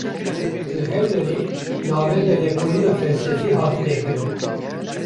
Li Hewlêrê, Navenda Lêkolîna Felsefî hate vekirin